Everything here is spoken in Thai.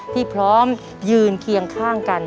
ที่พร้อมยืนเคียงข้างกัน